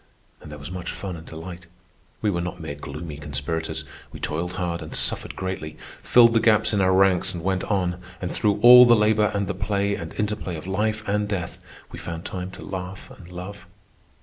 And there was much fun and delight. We were not mere gloomy conspirators. We toiled hard and suffered greatly, filled the gaps in our ranks and went on, and through all the labour and the play and interplay of life and death we found time to laugh and love.